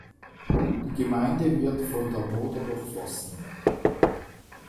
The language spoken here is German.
Die Gemeinde wird von der Moder durchflossen.